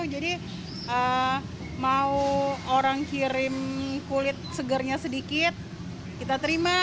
jadi mau orang kirim kulit segarnya sedikit kita terima